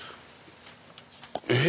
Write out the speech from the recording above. えっ？